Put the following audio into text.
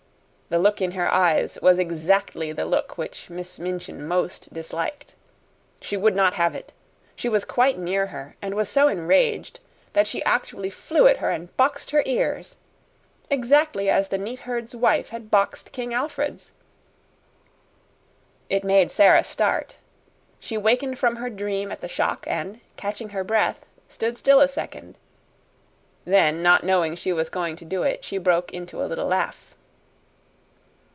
The look in her eyes was exactly the look which Miss Minchin most disliked. She would not have it; she was quite near her and was so enraged that she actually flew at her and boxed her ears exactly as the neat herd's wife had boxed King Alfred's. It made Sara start. She wakened from her dream at the shock, and, catching her breath, stood still a second. Then, not knowing she was going to do it, she broke into a little laugh.